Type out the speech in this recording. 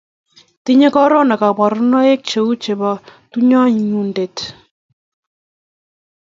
tinyei korona kaborunoik cheu chebo tunguyonde